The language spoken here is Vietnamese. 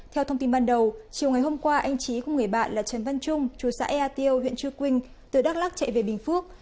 theo thông tin ban đầu chiều ngày hôm qua anh trí cùng người bạn là trần văn trung chú xã ea tiêu huyện trư quynh từ đắk lắc chạy về bình phước